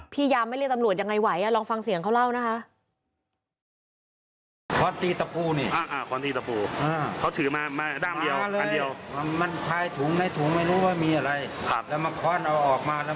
พยายามไม่เรียกตำรวจยังไงไหวลองฟังเสียงเขาเล่านะคะ